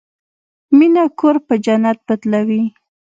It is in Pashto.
مینه کور په جنت بدلوي.